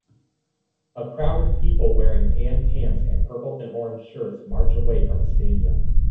A crowd of people wearing tan pants and purple and orange shirts march away from a stadium